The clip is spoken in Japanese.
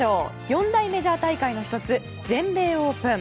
四大メジャー大会の１つ全米オープン。